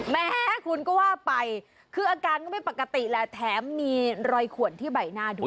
แม่คุณก็ว่าไปคืออาการก็ไม่ปกติแหละแถมมีรอยขวนที่ใบหน้าด้วย